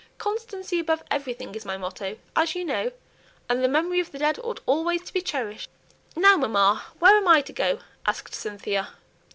'Constancy above everything' is my motto, as you know, and the memory of the dead ought always to be cherished." "Now, mamma, where am I to go?" asked Cynthia.